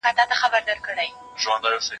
د قاضي مخ ته ولاړ وو لاس تړلى